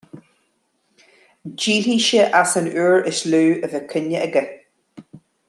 Díolfaidh sé as an uair is lú a bheidh coinne aige